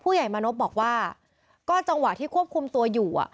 ใหญ่มานพบอกว่าก็จังหวะที่ควบคุมตัวอยู่